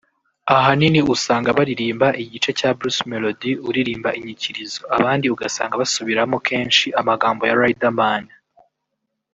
ahanini usanga baririmba igice cya Bruce Melody uririmba inyikirizo abandi ugasanga basubiramo kenshi amagambo ya Riderman